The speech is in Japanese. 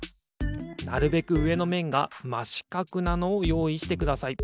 なるべくうえのめんがましかくなのをよういしてください。